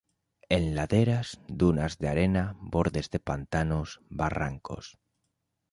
En laderas, dunas de arena, bordes de pantanos, barrancos.